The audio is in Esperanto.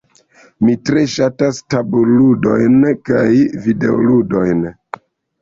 Mi tre ŝatas tabulludojn kaj videoludojn.